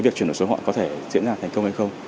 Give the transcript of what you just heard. việc chuyển đổi số họ có thể diễn ra thành công hay không